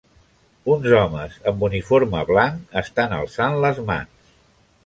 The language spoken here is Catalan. Uns homes amb uniforme blanc estan alçant les mans.